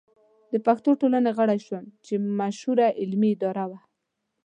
د پښتو ټولنې غړی شو چې مشهوره علمي اداره وه.